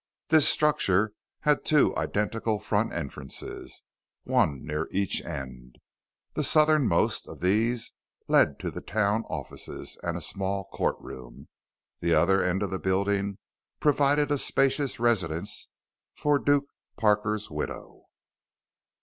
This structure had two identical front entrances, one near each end. The southernmost of these led to the town offices and a small courtroom. The other end of the building provided a spacious residence for Duke Parker's widow.